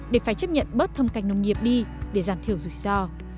để phải chấp nhận bớt thâm canh nông nghiệp đi để giảm thiểu rủi ro